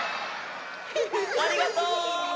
ありがとう！